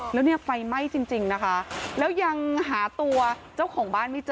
แล้วเนี่ยไฟไหม้จริงนะคะแล้วยังหาตัวเจ้าของบ้านไม่เจอ